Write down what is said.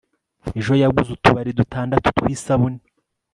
ejo yaguze utubari dutandatu twisabune